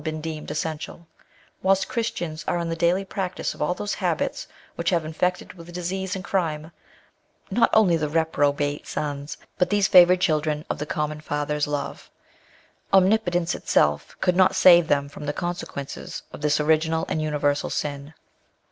been deemed essential ; whilst Christians are in the daily practice of all those habits which have infected with disease and crime, not only the reprobate sons, but these favoured children of the common Father's love. Omnipotence itself could not save them from the consequences of this original and universal sin.